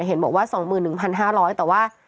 เห็นบอกว่า๒๑๕๐๐แต่ว่า